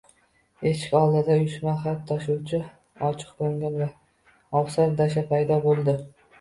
Eshik oldida Uyushma xat tashuvchisi – ochiqkoʻngil va ovsar Dasha paydo boʻldi.